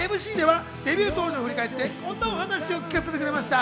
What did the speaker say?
ＭＣではデビュー当時を振り返って、こんなお話を聞かせてくれました。